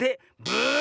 ブー！